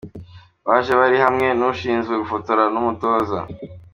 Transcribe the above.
Baje bari hamwe n’ushinzwe gufotora n’umutoza.